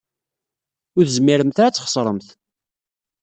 Ur tezmiremt ara ad txeṣremt.